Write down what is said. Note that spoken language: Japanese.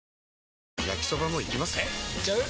えいっちゃう？